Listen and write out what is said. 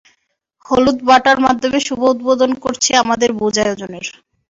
হলুদ বাটার মাধ্যমে শুভ উদ্বোধন করছি আমাদের ভোজ আয়োজনের।